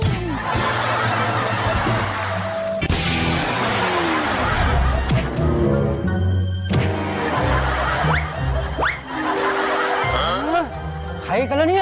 สวัสดีค่ะ